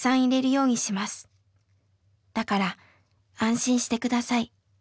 だから安心して下さい。